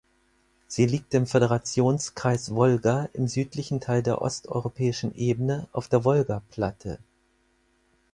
Sie liegt im Föderationskreis Wolga im südlichen Teil der Osteuropäischen Ebene auf der Wolgaplatte.